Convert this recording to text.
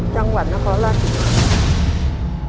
จังหวัดนครราชศรีมา